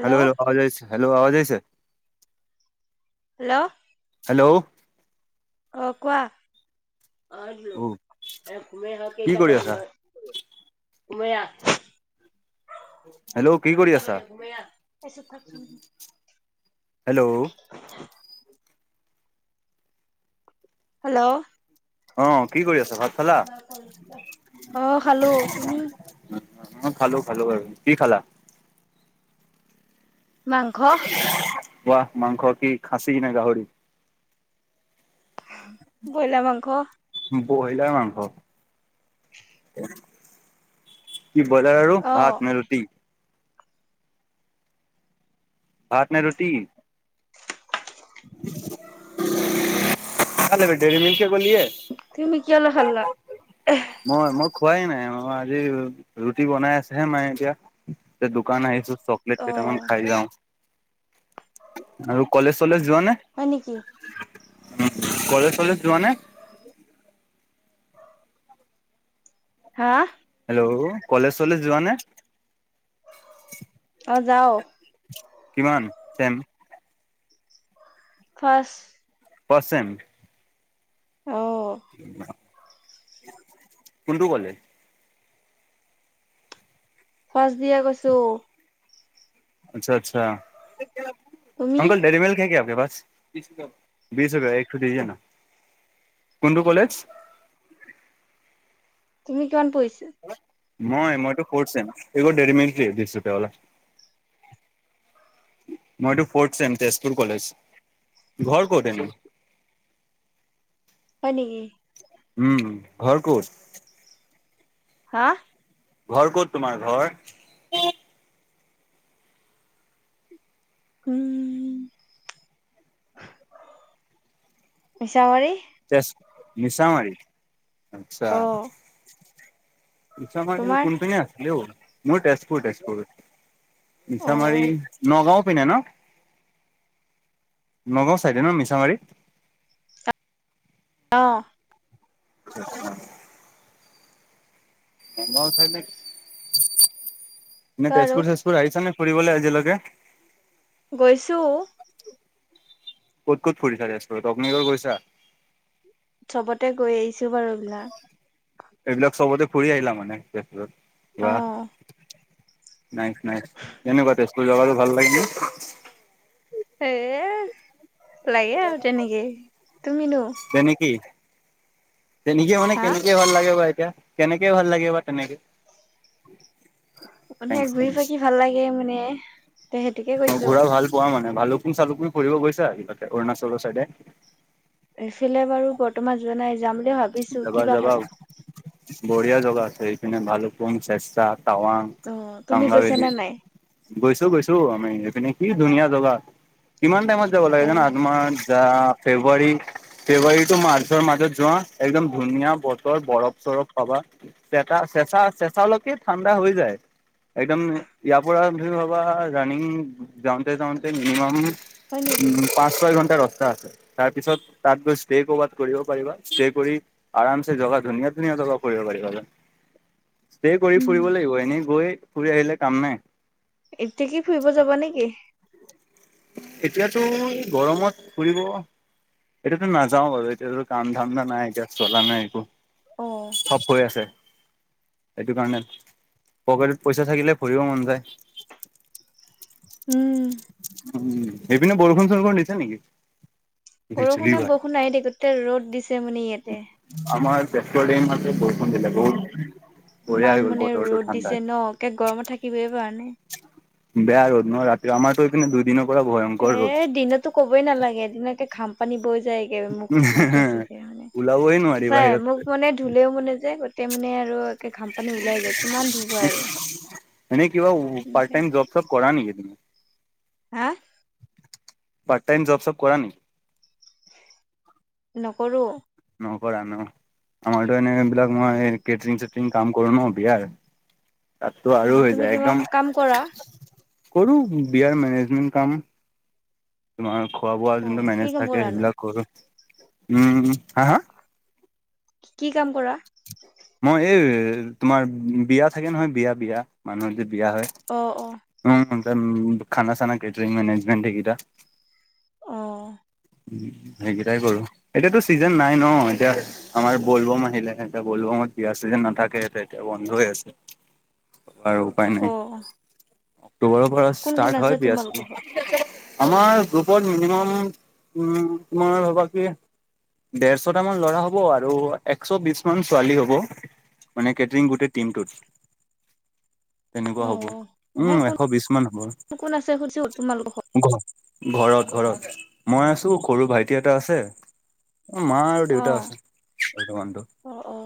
Hello hello [unintelligible] [unintelligible] hello hello অ কোৱা? [unintelligible] কি কৰি আছা ময়া হেল্ল' কি কৰি আছা [unintelligible] হেল্ল' হেল্ল' অ। কি কৰি আছা ভাত খালা [unintelligible] অ খালো, তুমি? অ খালো, খালো বাৰু। কি খালা? মাংস পোৱা মাংস কি খাচি নে গাহৰি? ব্ৰইলাৰ মাংস। বইলাৰ মাংস। কি বজাৰ আৰু অ হাত [unintelligible] ভাত নে ৰুটি? [unintelligible] তুমি কিহল খাল্লা। মই মই খোৱাই নাই ম আজি ৰু ৰুটি বনাই আছেহে মায়ে এতিয়া। দোকান আহিছো চকলেট অ কেইটামান খাই যাওঁ আৰু কলেজ চলেজ যোৱা নে হয় নেকি উ কলেজ চলেজ যোৱা নে। হা। আও' কলেজ চলেজ যোৱা নে অ যাও কিমান চেম। ফাৰ্চ ফৰ্থচেম। অ কোনটো কলে। ফচ দিয়ে কৈছো। আচ্ছা আচ্ছা তুমি আংকল ডেৰি মেল্ক হে কিয়া আপকে পাছ। বিছ ৰুপীয়া বিছ ৰুপীয়া একথু দিজীয়ে না কোনটো কলেজ। তুমি কিমান পঢ়িছা। মই মইটো ফৰ্থছেম এগৌ দেৰি মিল্ক দে বিছ ৰুপীয়া ৱালা। মইটো ফৰ্থ চেম তেজপুৰ কলেজ ঘৰ কত এনে। [inaudible] নিকি উম ঘৰ ক'ত। হা। ঘৰ ক'ত তোমাৰ ঘৰ। উম মিছামাৰী। মিছামাৰি আচ্ছা। অ নিছামাৰি তোমাৰ কোন পিনে আছিলে অ মোৰ তেজপুৰ তেজপুৰ। অ অ নিছামাৰী নগাঁও পিনে ন। নগাঁও চাইডে ন মিছামাৰী। অ। [unintelligible] মেম আছে নেকি? ক আৰু তেজপুৰ চেজপুৰ আহিছা নে? ফুৰিবলে আজিলৈকে গৈছো। ক'ত ক'ত ফুৰিছা তেজপুৰত অগ্নিগড় গৈছা। চবতে গৈ আহিছো বাৰু এইবিলাক। এইবিলাক চবতে ফুৰি আহিলা মানে তেজপুৰত। অহ। নাইক নাই তেনেকুৱা তেজপুৰ জাগাটো ভাল লাগে নে। এ লাগে আৰু তেনেকে তুমিনো তেনেকি তেনেকে মানে হা কেনেকে ভাল লাগে বা এতিয়া কেনেকে ভাল লাগে বা তেনেকে মানে থেংকছ ঘুৰি থেংকছ। ফাকি ভাল লাগে মানে তে সেইটোকে কৈছো ভালুকপুং চালুকপুং ফুৰিব গৈছা কিবাকে অৰুণাচলৰ ছাইদে? এইফালে বাৰু বৰ্তমান যোৱা নাই যাম বুলি ভাবিছোঁ যাবা কিবা যাবা হয় বঢ়িয়া জাগা আছে এইপিনে ভালুপুং চেচ-চাৰ তাৱাং অ তুমি গৈছা বাংলাৰেলি নে নাই গৈছো গৈছো আমি এনে কি ধুনীয়া জগা। কিমান টাইমত যাব লাগে এ জানা? তোমাৰ আ ফেব্ৰুৱাৰী ফেব্ৰুৱাৰী তু মাৰ্চৰ মাজত যোৱা একদম ধুনীয়া বতৰ বৰফ-চৰফ পাবা। চেঁচা চেঁচা চেঁচালৈকে ঠাণ্ডা হৈ যায়। একদম ইয়াৰ পৰা যদি ভাবা ৰাণিং যাওঁতে যাওঁতে মিনিমাম হয় নেকি [unintelligible] পাঁচ, ছয় ঘন্টা ৰাস্তা আছে। তাৰ পিছত তাত গৈ ষ্টে কবাত কৰিব পাৰিবা। ষ্টে কৰি আৰামছে জগা ধুনীয়া ধুনীয়া জগা কৰিব পাৰিবা। ষ্টে কৰি উম ফুৰিব লাগিব। এনেই গৈ ফুৰি আহিলে কাম নাই। এতিয়া কি ফুৰিব যাবা নে কি? এতিয়াতো গৰমত ফুৰিব এতিয়াতো নাযাও বাৰু এতিয়াতো কাম ধান্দা নাই, এতিয়া চলা নাই একো। অ চব গৈ আছে। সেইটো কাৰণে পকেটত পইচা থাকিলে ফুৰিব মন যায়। উম। উ এইপিনে বৰষুণ চৰষুণ দিছে নেকি? বিজুলী বৰষুণে বাই বৰষুণ আহি এ গোটই ৰ'দ দিছে মানে ইয়াতে। আমাৰ তেজপুৰত এইমাত্ৰ বৰষুণ দিলে বহুত। বঢ়িয়া হৈ ইমান গ'ল মানে বতৰটো ৰ'দ ঠাণ্ডা দিছে ন, একে গৰমত থাকিবই পৰা নাই। বেয়া ৰ'দ নহ, ৰাতি আমাৰতো এইপিনে দুইদিন এ দিনতো কবই নালাগে এদিনকে ঘাম পানী বৈ যায় গে মোক মুখে চুখে মানে ওলাবই নোৱাৰি চাই বাহিৰত। মোক মানে ধুলেও মানে যে তে মানে আৰু একে ঘামপানী ওলাই যায়গ এনেই কিবা এনেকে পাৰ্ট তাইম জব চব কৰা নেকি তুমি? হা পাৰ্ট টাইম জব চব কৰা নি? নকৰোঁ। নকৰা ন, আমাৰতো এনে এইবিলাক মই কেটৰিং চেটৰিং কাম কৰো ন বিয়াৰ। তাতো অ আৰু এ তুমি যায় কিবা একদম। কাম কৰা কৰো বিয়াৰ মেনেজমেণ্ট কাম। তোমাৰ খোৱা বোৱা অ যোনটো কি মেনেজ কাম থাকে কৰানো সেইবিলাক কৰো। উম হা, হা। কি কাম কৰা? মই এই তোমাৰ বিয়া থাকে নহয় বিয়া বিয়া মানুহৰ যে বিয়া হয় অ অ উ খানা চানা কেটাৰিং মেনেজমেন্ট সেইকেইটা। অ সেইকেইটাই কৰো এতিয়াতো চিজন নাই ন এতিয়া আমাৰ বলবম আহিলে এতিয়া বলবমত বিয়াৰ চিজন নাথাকে এতিয়া বন্ধ হৈ আছে আৰু উপায় অ নাই। অক্টোবৰৰ পৰা কোন কোন ষ্টাৰ্ট আছে হয় বিয়া চিয়া তোমালোকৰ ঘৰত আমাৰ গ্ৰুপত মিনিমাম উম তোমাৰ আৰু বাকী দেৰশটা মান ল'ৰা হব আৰু একশ বিশ মান ছোৱালী হ'ব। মানে কেটাৰিং গোটেই টিমটোত। তেনেকুৱা হ'ব অ উম নহয় কোন এশ বিশ মান কোন আছে সুধিছো তোমালোকৰ ঘৰত হ'ব। ঘ ঘৰত ঘৰত, মই আছো সৰু ভাইটি এটা আছে। মা আৰু দেউতা আছে, অ বৰ্তমানটো। অ অ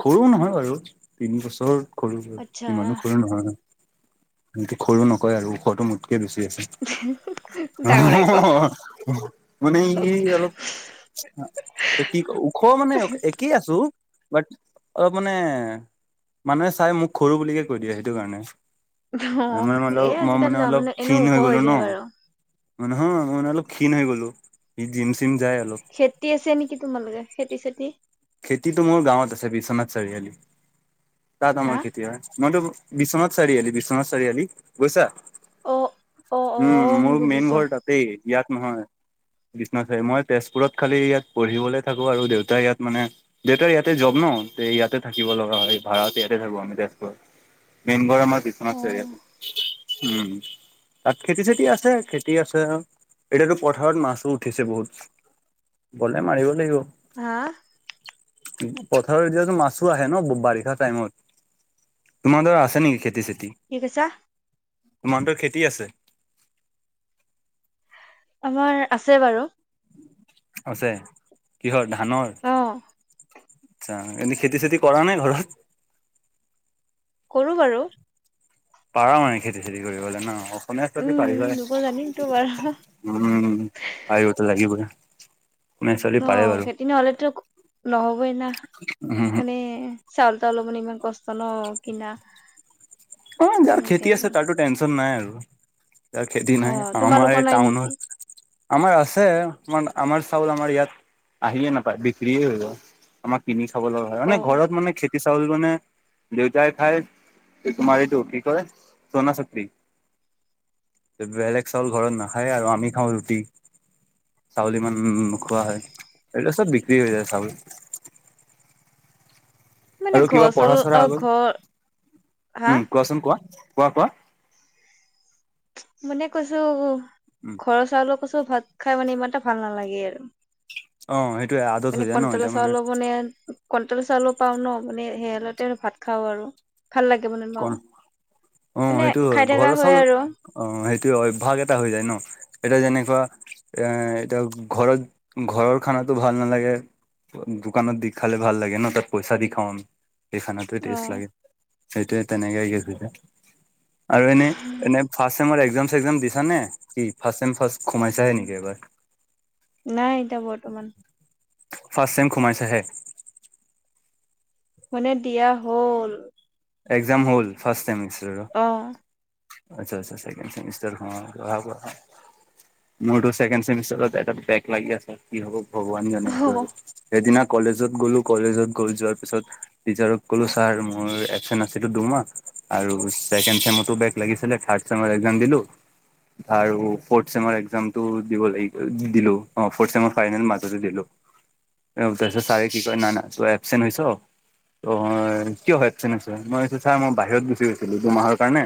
সৰু নহয় বাৰু তিনি বছৰ সৰু বাৰু আচ্ছা ইমানো সৰু নহয় ন। সৰু নকয় আৰু ওখটো মোতকে বেছি আছে। অ ডাঙৰ এক অ হ হ মানে ই অলপ কি ওখ মানে একেই আছো। বাট অলপ মানে মানুহে চাই মোক সৰু বুলিকে কৈ দিয়ে সেইটো কাৰণে। মই এ অলপ মই আজিকালি মানে ল'ৰা অলপ মানুহ এনেও ক্ষীণ ওখ হৈ গলো ন। যায় বাৰু মানহো মান অলপ ক্ষীণ হৈ গ'লো এই জিম চিম যায় অলপ খেতি আছে নেকি তোমালোকে, খেতি চেতি খেতিটো মোৰ গাঁৱত আছে বিশ্বনাথ চাৰিআলি। তাত আমাৰ হা খেতি হয়, মইতো বিশ্বনাথ চাৰিআালি বিশ্বনাথ চাৰিআালি গৈছা। অ অ অ উম মোৰ মেইন বুজিছো ঘৰ তাতেই। ইয়াত নহয় বিশ্বনাথ মই তেজপুৰত খালি ইয়াত পঢ়িবলৈ থাকো আৰু দেউতাই ইয়াত মানে দেউতাৰ ইয়াতে যব ন ইয়াতে থাকিব লগা হয় ভাড়াত ইয়াতে থাকো আমি তেজপুৰত। মেইন ঘৰ আমাৰ বিশ্বনাথ অ চাৰি আলিৰ। উম, তাত খেতি-চেতি আছে। খেতি আছে আও এতিয়াটো পথাৰত মাছো উঠিছে বহুত। গ'লে মাৰিব লাগিব। হাঁ পথাৰত এতিয়াটো মাছো আহে ন, ব বাৰিষা টাইমত। তোমাৰ ধৰা, আছে নেকি খেতি চেত- কি কৈছা? তোমাৰটো খেতি আছে? আমাৰ আছে বাৰু। আছে, কিহৰ ধানৰ? অ আচ্ছা, এনে খেতি-চেতি কৰা নে ঘৰত? কৰো বাৰু। পাৰা নাই খেতি-চেতি কৰিবলৈ ন' অ, [unintelligible] তহঁতি উম, পাৰিবানে, দিব জানিমতো বাৰু উম, পাৰিবটো লাগিবই। অসমীয়া ছোৱালী পাৰে অ', বাৰু। খেতি নহ'লেটো নহ'বই না। উম, মানে, চাউল-তাউল লবলে ইমান কষ্ট ন' কিনা। অ', যাৰ এনেকে খেতি আছে আৰু তাৰটো টেনছন ‌নাই আৰু। যাৰ খেতি অ, নাই আমাৰ তোমালোকৰ এই নাই টাউনত, নেকি? আমাৰ আছে। কিছুমান আমাৰ চাউল আমাৰ ইয়াত, আহিয়ে নাপায়, বিক্ৰীয়ে হৈ গ'ল, আমাৰ কিনি খাব লগা হ'য়, অ, মানে ঘৰত মানে খেতি চাউল মানে দেউতাই খাই। তোমাৰ এইটো কি কয়, সোনা শক্তি। বেলেগ চাউল ঘৰত নাখায়ে আৰু আমি খাওঁ ৰুটি। চাউল ইমান নোখোৱা হয়, এইবিলাক চব বিক্ৰী হৈ যায় চাউল। [unintelligible] মানে আৰু কিবা ঘৰ চল পঢ়া-চঢ়া অ, ঘৰ হা [unintelligible] উম, কোৱাচোন কোৱা? কোৱা কোৱা? মানে কৈছো, উম ঘৰৰ চাউলৰ কৈছো ভাত খাই মানে ইমান এটা ভাল নালাগে আৰু। অ সেইটোয়ে আদত হৈ মানে যায় ন এতিয়া কণ্ট্ৰলৰ চাউলৰ মানে, কণ্ট্ৰলৰ চাউলো পাওঁ ন' মানে সে [unintelligible] ভাত খাওঁ আৰু। ভাল লাগে মানে ক ন', অ মানে সেইটো হয় খাই ঘৰৰ থাকা চাউল হয় আৰু। অ', সেইটোৱে অভ্যাস এটা হৈ যায় ন, এতিয়া যেনেকুৱা এ, এতিয়া ঘৰত ঘৰৰ খানাটো ভাল নালাগে। দোকানত দি খালে ভাল লাগে ন, তাত পইচা দি খাওঁ আমি। সেই খানাটোৱে অ, টেষ্ট লাগে, সেইটোৱে তেনেকে [unintelligible] আৰু এনে, ইমান ৰ্ফাষ্ট ছেমৰ এক্সাম এক্সাম দিছা নে? কি ৰ্ফাষ্ট ছেম ৰ্ফাষ্ট সোমাইছাহে নেকি এইবাৰ? নাই এতিয়া বৰ্তমান। ৰ্ফাষ্টছেম সোমাইছেহে? মানে দিয়া হ'ল। এক্সাম হ'ল ফাৰ্ষ্টছেমিচ অ', আচ্ছা আচ্ছা, ছেকেণ্ড ছেমিষ্টাৰ অ, ল'ৰাবোৰ আ মোৰটো ছেকেণ্ড ছেমিষ্টাৰত এটাত বেক লাগি আছে কি হ'ব ভগৱান জানে সেইটো অ', আৰু, সেইদিনা কলেজত গ'লো কলেজত গৈ যোৱাৰ পিছত টিচাৰক ক'লো ছাৰ মোৰ এবচেন্ট আছিলোঁ দুমাহ। আৰু ছেকেণ্ড ছেম'টো বেগ লাগিছিলে, ৰ্থাড ছেমত এক্সাম দিলোঁ। আৰু ৰ্ফ'থ ছেমৰ এক্সামটো দিব লাগি দিলোঁ অ, ৰ্ফথ ছেমৰ ফাইনেল মাজতে দিলোঁ। এও তাৰপিছত ছাৰে কি কয়, না না তই এবচেণ্ট হৈছ তই কিয় এবচেণ্ট আছ, মই কৈছো ছাৰ মই বাহিৰত গুচি গৈছিলোঁ দুমাহৰ কাৰণে।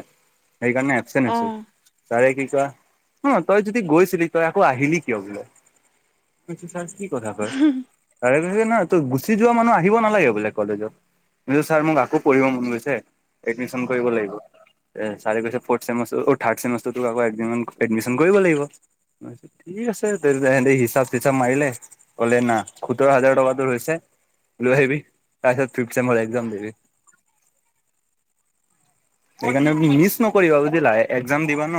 সেইকাৰণে এবচেণ্ট হৈছোঁ, অ', ছাৰে কি চোৱা, অ, তই যদি গৈছিলি তই আকৌ আহিলি কিয় বোলে, মই কৈছো ছাৰ কি কথা কয়, ছাৰে কৈছে ন' তো গুচি যোৱা মানুহ আহিব নালাগে বোলে কলেজত। [unintelligible] ছাৰ মোক আকৌ পঢ়িব মন গৈছে, এডমিশন কৰিব লাগিব। ছাৰে কৈছে ফ'ৰ্থ ছেমিষ্টাৰ অ, থাৰ্ড চেমেষ্টাৰটো আকৌ এডমিন এডমিশন কৰিব লাগিব, মই কৈছোঁ ঠিক আছে। সিহঁতে হিচাপ তিচাপ মাৰিলে, কলে না সোতৰ' হাজাৰ টকা তোৰ হৈছে। লৈ আহিবি, তাৰপিছত ফিফট ছেমত একজাম দিবি। [inaudible] সেইকাৰণে মিচ নকৰিবা বুজিলা এক্জাম দিবা ন,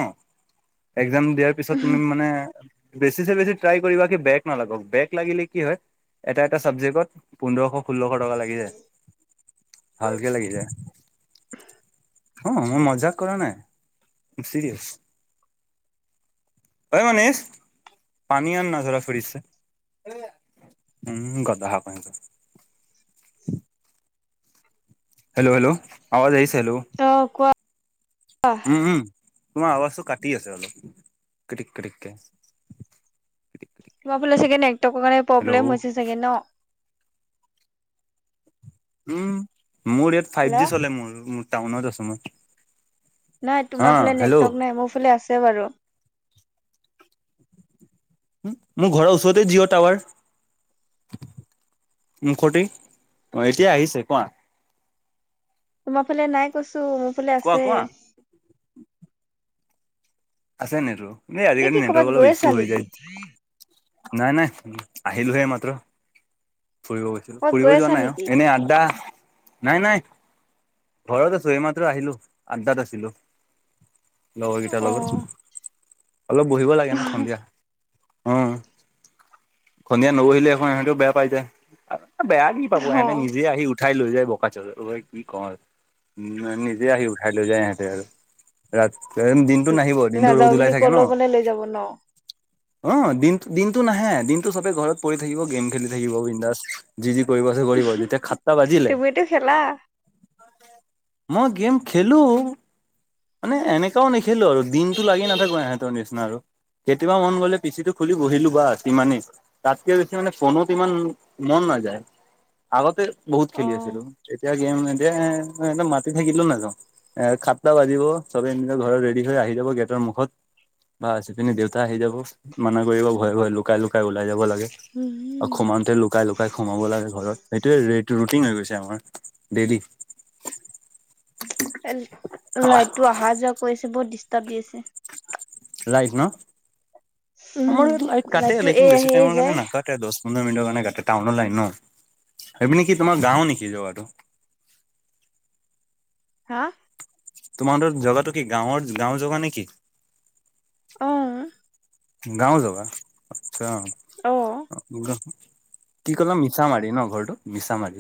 একজাম দিয়াৰ পিছত তুমি মানে, বেছিছে বেছি ট্ৰাই কৰিবা কি বেগ নালাগক বেগ লাগিলে কি হয় এটা এটা ছাবজেক্টত, পোন্ধৰশ ষোল্লশ টকা লাগি যায়, ভালকে লাগি যায়। অ মই মাজাক কৰা নাই চিৰিয়েছ্ ঐ মানিচ পানী আন না জাৰা ফ্ৰিছছে উম গাধা কাহিকা হেল্ল' হেল্ল' আৱাজ আহিছে হেল্ল' অ', কোৱা। উম উম তোমাৰ আৱাজটো কাটি আছে অলপ কটিক কটিক কে তোমাৰ ফালে চাগে নেটৱৰ্কৰ কাৰণে প্ৰব্লেম হৈছে চাগে ন উম মোৰ ইয়াত ফাইভ হেল্ল', জি চলে মোৰ মোৰ টাউনত আছো মই নাই অ তোমাৰ ফালে হেল্ল' নেটৱৰ্ক নাই মোৰ ফালে আছে বাৰু হু মোৰ ঘৰৰ ওচৰতে জিঅ' টাৱাৰ মুখতি অ এতিয়া আহিছে কোৱা তোমাৰ ফালে নাই কৈছো মোৰ ফালে কোৱা আছে কোৱা। আছে নেটৱৰ্ক এ এতিয়া কি আজিকালি ক'বাত নেটৱৰ্ক অলপ গৈ আছা ইছু হৈ নেকি? যায় নাই নাই আহিলো হে মাত্ৰ ফুৰিব গৈছো ক'বাত ফুৰিব গৈ যোৱা আছা নাই অ নেকি? এনে আড্ডা নাই নাই ঘৰত আছো এইমাত্ৰ আহিলো আড্ডাত আছিলো লগৰ কেইটাৰ লগত অ', অলপ বহিব লাগে ন সন্ধিয়া অ সন্ধিয়া নবহিলে এখন হেহেতেও বেয়া পাই যায় বেয়া কি পাব ইহঁতে অ', নিজে আহি উঠাই লৈ যায় বোকা চদ ঐ কি কম নিজে আহি উঠাই লৈ যায় ইহঁতে আৰু ৰাত গৰম দিনটো নাহিব দিনটো ৰ'দ নাযাওঁ ওলাই বুলি থাকে ন ক'লেও মানে লৈ যাব ন? অ দিন দিনটো নাহে দিনটো চবে ঘৰত পৰি থাকিব গেম খেলি থাকিব বিন্দাছ যি যি কৰিব আছে কৰিব যেতিয়া সাতটা বাজিলে তুমিতো খেলা মই গেম খেলো মানে এনেকাও নেখেলো আৰু দিনটো লাগি নাথাকো ইহঁতৰ নিচিনা আৰু কেতিয়াবা মন গ'লে পিচিটো খুলি বহিলো বাচ সিমানেই তাতকে বেছি মানে ফ'নত ইমান মন নাযায় আগতে বহুত খেলি অ', আছিলো এতিয়া গেম [unintelligible] মাতি থাকিলেও নাযাওঁ এ সাতটা বাজিব চবে নিজৰ ঘৰত ৰেডি হৈ আহি যাব গেটৰ মুখত বা পিছপিনি দেউতা আহি যাব মানা কৰিব ভয়ে ভয়ে লুকাই লুকাই লুকাই ওলাই যাব লাগে আৰু উম, সোমাওঁতে লুকাই লুকাই সোমাব লাগে ঘৰত সেইটোৱে এ এইটো ৰুতিন হৈ গৈছে আমাৰ দেলি কাৰেন্ট লাইটটো অহা যোৱা কৰিছে বহঙত ডিষ্টাৰ্ব দি আছে লাইট ন উম, আমাৰ ইয়াত লাইট কাটে লাইটটো লেকিন এই বেছি আহি টাইমৰ কাৰণে যায় নাকাটে দছ পোন্ধৰ মিনিটৰ কাৰণে কাতে টাউনৰ লাইন ন সেইপিনে কি তোমাৰ গাওঁ নিকি জগাটো [inaudible] হা তোমাহতৰ জগাটো কি গাঁৱৰ গাঁও জগা নেকি অহঁ গাঁও জগা আচ্ছা অ'। কি কলা মিছা মাৰি ন ঘৰটো মিছা মাৰি